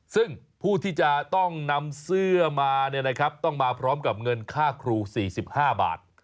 ซึ่งผู้ที่จะต้องนำเสื้อมาต้องมาพร้อมกับเงินค่าครู๔๕บาท